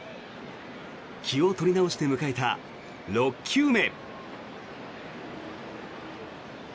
気を取り直して迎えた６球目。